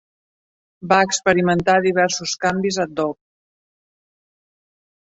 Va experimentar diversos canvis ad-hoc.